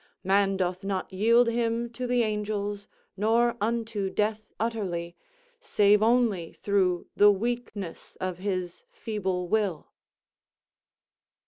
Man doth not yield him to the angels, nor unto death utterly, save only through the weakness of his feeble will."